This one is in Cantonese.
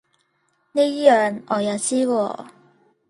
呢樣我又知喎